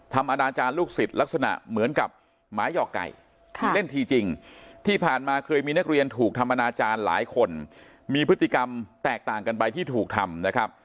อนาจารย์ลูกศิษย์ลักษณะเหมือนกับหมาหยอกไก่เล่นทีจริงที่ผ่านมาเคยมีนักเรียนถูกทำอนาจารย์หลายคนมีพฤติกรรมแตกต่างกันไปที่ถูกทำนะครับ